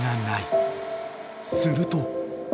［すると］